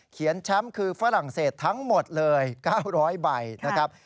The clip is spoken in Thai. แชมป์คือฝรั่งเศสทั้งหมดเลย๙๐๐ใบนะครับ